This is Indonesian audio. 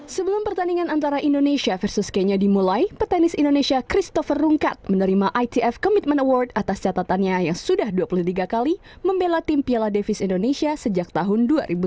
sebelum pertandingan antara indonesia versus kenya dimulai petenis indonesia christopher rungkat menerima itf commitment award atas catatannya yang sudah dua puluh tiga kali membela tim piala davis indonesia sejak tahun dua ribu tujuh belas